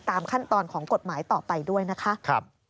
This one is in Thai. ตามขั้นตอนของกฎหมายต่อไปด้วยนะคะ